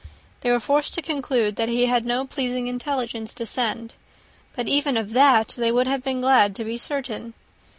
They were forced to conclude, that he had no pleasing intelligence to send; but even of that they would have been glad to be certain.